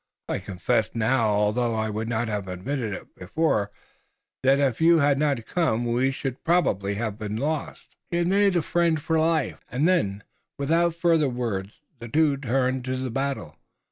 I confess now although I would not have admitted it before, that if you had not come we should probably have been lost." He had made a friend for life, and then, without further words the two turned to the battle.